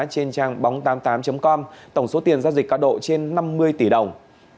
trên trang bóng tám mươi tám com tổng số tiền giao dịch cá độ trên năm mươi tỷ đồng